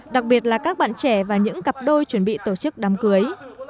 đặc biệt là các bạn trẻ và những cặp đôi chuẩn bị tổ chức đám cưới